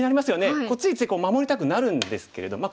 ついつい守りたくなるんですけれどまあ